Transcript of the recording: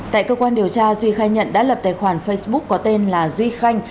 tại cơ quan điều tra duy khai nhận đã lập tài khoản facebook có tên là duy khanh